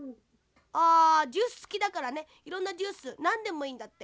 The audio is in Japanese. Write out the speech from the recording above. あジュースつきだからねいろんなジュースなんでもいいんだって。